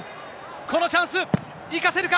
このチャンス、生かせるか。